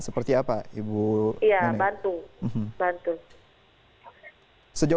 seperti apa ibu nenek